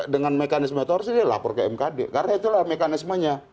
dengan mekanisme itu harus dia lapor ke mkd karena itulah mekanismenya